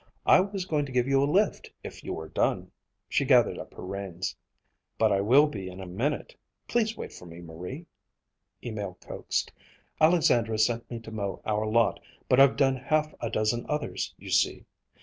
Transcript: I was going to give you a lift, if you were done." She gathered up her reins. "But I will be, in a minute. Please wait for me, Marie," Emil coaxed. "Alexandra sent me to mow our lot, but I've done half a dozen others, you see.